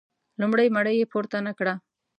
لومړۍ مړۍ یې پورته نه کړه.